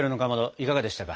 いかがでしたか？